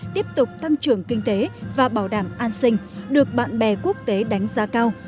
quốc tế và bảo đảm an sinh được bạn bè quốc tế đánh giá cao